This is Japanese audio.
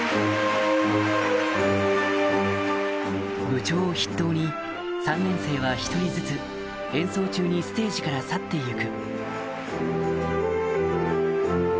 部長を筆頭に３年生は１人ずつ演奏中にステージから去って行く